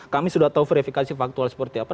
kami sudah tahu verifikasi faktual seperti apa